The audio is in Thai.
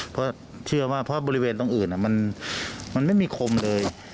เพราะเชื่อว่าเพราะบริเวณตรงอื่นมันไม่มีคมเลย